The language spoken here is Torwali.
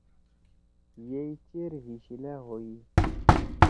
یئی چیر حی شیِلا ہوئی۔